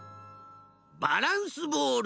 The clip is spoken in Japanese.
バランスボール！